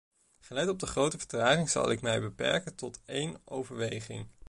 Gelet op de grote vertraging zal ik mij beperken tot één overweging.